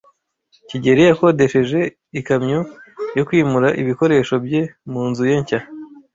kigeli yakodesheje ikamyo yo kwimura ibikoresho bye mu nzu ye nshya.